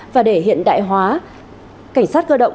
và để hiện đại hóa cảnh sát cơ động